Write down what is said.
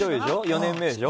４年目でしょ。